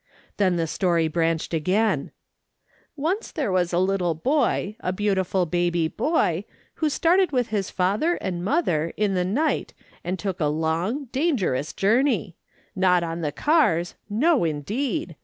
Then the story branched again :" Once there was a little boy, a 54 VA'^. SOLOMON SMITH LOOKING ON. beautiful baby boy, who started with his father and mother in tlie ni_u;ht and took a long, dangerous journey — not on the cars, oh no, indeed